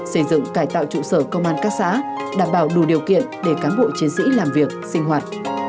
xây dựng cải tạo trụ sở công an các xã đảm bảo đủ điều kiện để cán bộ chiến sĩ làm việc sinh hoạt